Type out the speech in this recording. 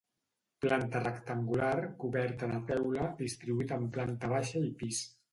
Planta rectangular, coberta de teula, distribuït en planta baixa i pis.